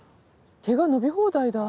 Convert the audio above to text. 毛が伸び放題だ。